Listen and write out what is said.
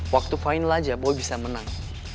waktu final aja gue bisa menang